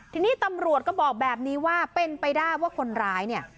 ทีนี้ตำรวจก็บอกแบบนี้ว่าเป็นไปได้ว่าคนร้ายเนี่ย